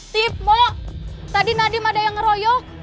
timo tadi nadiem ada yang ngeroyok